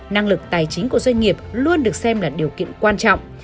năng lực tài chính của doanh nghiệp luôn được xem là điều kiện quan trọng